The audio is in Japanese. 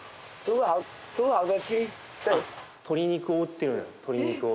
鶏肉を売ってるんや鶏肉を。